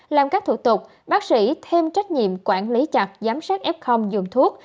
làm các thủ tục bác sĩ thêm trách nhiệm quản lý chặt giám sát f dùng thuốc